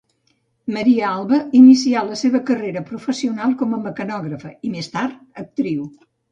Maria Alba inicià la seva carrera professional com a mecanògrafa i, més tard, actriu.